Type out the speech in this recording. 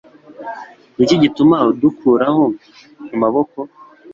Ni iki gituma udukuraho amaboko